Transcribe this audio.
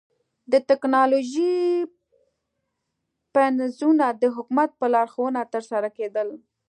د ټکنالوژۍ پنځونه د حکومت په لارښوونه ترسره کېدل.